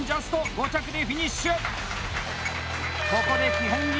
５着でフィニッシュ！